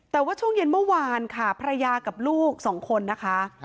แต่ว่าช่วงเย็นเมื่อวานค่ะภรรยากับลูกสองคนนะคะ